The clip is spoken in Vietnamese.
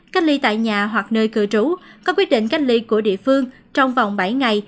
cách ly tại nhà hoặc nơi cư trú có quyết định cách ly của địa phương trong vòng bảy ngày